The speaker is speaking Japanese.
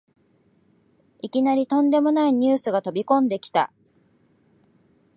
いきなりとんでもないニュースが飛びこんできた